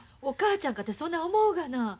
お母ちゃんかてそない思うがな。